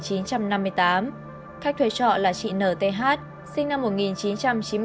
khách thuê trọ là chị n t h sinh năm một nghìn chín trăm chín mươi chín